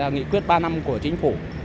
nghị quyết ba năm của chính phủ